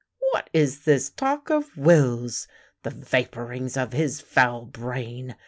What is this talk of wills! The vapourings of his foul brain.